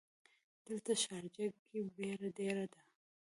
دلته شارجه ګې بیړ ډېر ده.